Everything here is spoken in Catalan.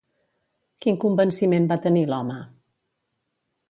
Quin convenciment va tenir l'home?